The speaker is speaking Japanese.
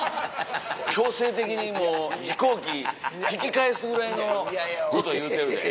強制的にもう飛行機引き返すぐらいのこと言うてるで。